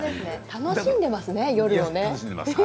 楽しんでますね、夜をね。